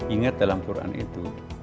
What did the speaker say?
ingat dalam quran itu